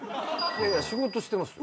仕事してますよ。